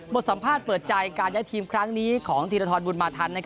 สัมภาษณ์เปิดใจการย้ายทีมครั้งนี้ของธีรทรบุญมาทัน